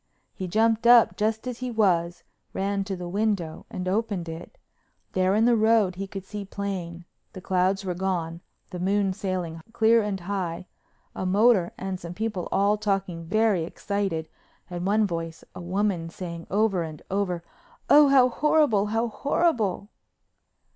He jumped up just as he was, ran to the window and opened it. There in the road he could see plain—the clouds were gone, the moon sailing clear and high—a motor and some people all talking very excited, and one voice, a woman's, saying over and over, "Oh, how horrible—how horrible!"